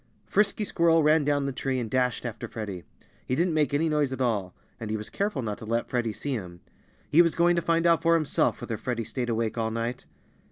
Frisky Squirrel ran down the tree and dashed after Freddie. He didn't make any noise at all. And he was careful not to let Freddie see him. He was going to find out for himself whether Freddie stayed awake all night.